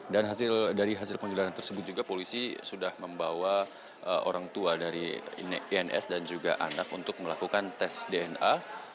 dan dari hasil penggeredahan tersebut juga polisi sudah membawa orang tua dari ins dan juga anak untuk melakukan tes dna